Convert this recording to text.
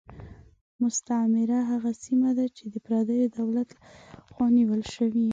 مستعمره هغه سیمه ده چې د پردیو دولت له خوا نیول شوې.